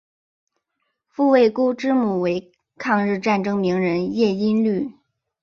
傅慰孤之母为抗日战争名人叶因绿。